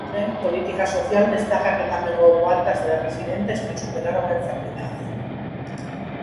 Porén, Política Social destaca que tamén houbo altas de residentes que superaron a enfermidade.